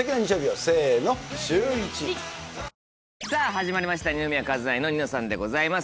始まりました二宮和也の『ニノさん』でございます。